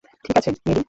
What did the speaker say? ঠিক আছে, মেরি।